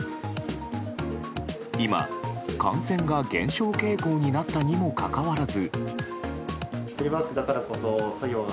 今、感染が減少傾向になったにもかかわらず。